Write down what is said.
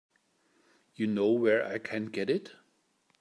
You know where I can get it?